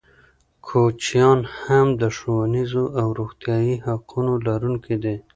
کوچیان هم د ښوونیزو او روغتیايي حقونو لرونکي دي.